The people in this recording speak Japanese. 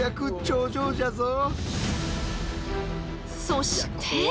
そして。